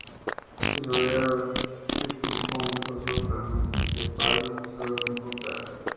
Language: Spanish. Se rodea el conjunto por dos ramas de palma cruzadas en punta.